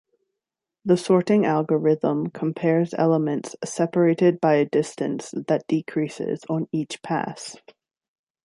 The sorting algorithm compares elements separated by a distance that decreases on each pass.